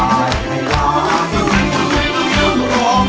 แล้วจะนามลวกทั้งน้องกิ่งร้อง